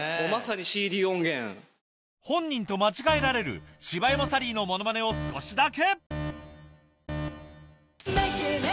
本人と間違えられる柴山サリーのものまねを少しだけ！